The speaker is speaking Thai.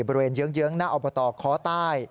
บริเวณเยื้องหน้าอบตค้อใต้